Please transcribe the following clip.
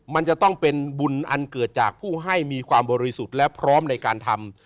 มันจะต้องเป็นบุญอันเกิดจากผู้ให้มีความบริสุทธิ์และพร้อมในการทำ